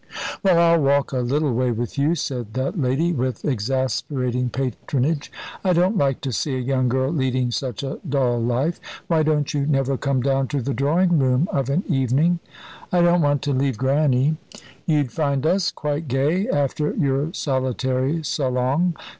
"Well, I'll walk a little way with you," said that lady, with exasperating patronage. "I don't like to see a young girl leading such a dull life. Why don't you never come down to the drawing room of an evening?" "I don't want to leave Grannie." "You'd find us quite gay after your solitary salong.